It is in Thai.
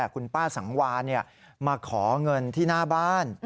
คุณป้าสังวานมาขอเงินที่หน้าบ้าน